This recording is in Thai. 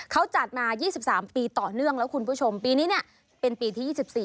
เขาจัดมา๒๓ปีต่อเนื่องแล้วคุณผู้ชมปีนี้เนี่ยเป็นปีที่๒๔